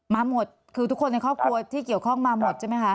มาหมดคือทุกคนในครอบครัวที่เกี่ยวข้องมาหมดใช่ไหมคะ